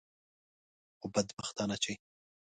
خو بدبختانه چې.